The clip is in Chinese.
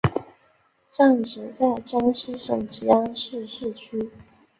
站址在江西省吉安市市区。